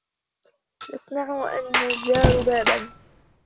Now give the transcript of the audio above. يَصْنَعُ النَّجَّارُ بَابًا.